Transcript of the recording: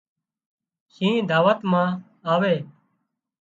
شينهن دعوت مان آوي